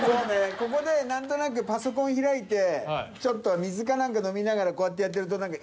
ここで何となくパソコン開いてちょっと水か何か飲みながらこうやってやってると何か。